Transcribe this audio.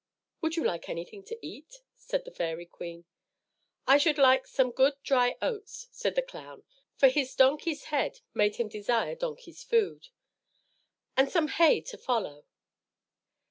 "Would you like anything to eat?" said the fairy queen. "I should like some good dry oats," said the clown for his donkey's head made him desire donkey's food "and some hay to follow."